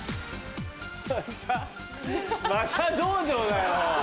また道場だよ。